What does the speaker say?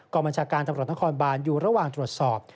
บัญชาการตำรวจนครบานอยู่ระหว่างตรวจสอบ